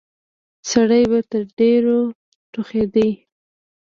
سړي به تر ډيرو ټوخل.